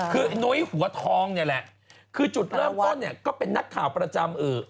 คืออันน้วยหัวทองนี่แหละคือจุดเริ่มต้นก็เป็นนักข่าวประจำอื่อ